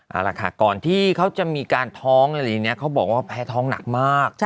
เอาล่ะค่ะก่อนที่เขาจะมีการท้องอะไรอย่างนี้เขาบอกว่าแพ้ท้องหนักมาก